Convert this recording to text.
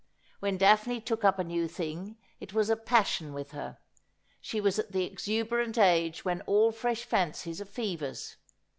When Daphne took up a new thing it was a passion with her. She was at the exuberant age when all fresh fancies are fevers.